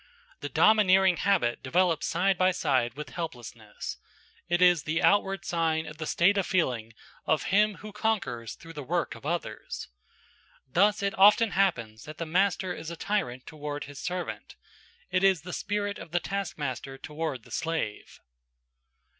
The domineering habit develops side by side with helplessness. It is the outward sign of the state of feeling of him who conquers through the work of others. Thus it often happens that the master is a tyrant toward his servant. It is the spirit of the task master toward the slave.